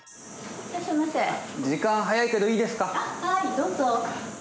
どうぞ。